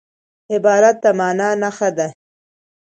عبارت د مانا نخښه ده.